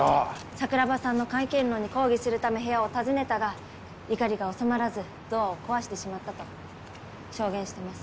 桜庭さんの改憲論に抗議するため部屋を訪ねたが怒りが収まらずドアを壊してしまったと証言してます。